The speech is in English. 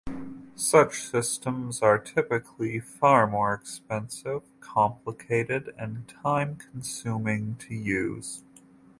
Such systems are typically far more expensive, complicated, and time-consuming to use.